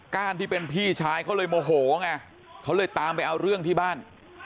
้านที่เป็นพี่ชายเขาเลยโมโหไงเขาเลยตามไปเอาเรื่องที่บ้าน